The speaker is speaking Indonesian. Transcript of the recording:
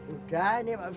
udah ini pak fisat